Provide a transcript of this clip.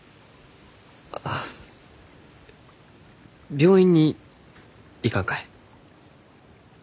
病院に行かんかえ？